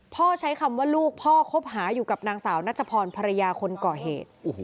ใช้คำว่าลูกพ่อคบหาอยู่กับนางสาวนัชพรภรรยาคนก่อเหตุ